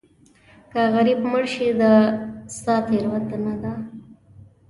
که غریب مړ شې دا ستا تېروتنه ده.